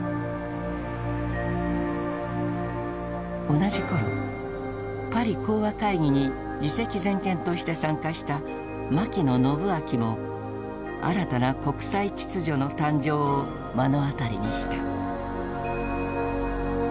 同じ頃パリ講和会議に次席全権として参加した牧野伸顕も新たな国際秩序の誕生を目の当たりにした。